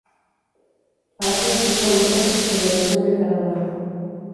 Aalst es famosa por su celebración del carnaval.